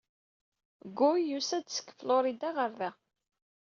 Guy yusa-d seg Florida ɣer da.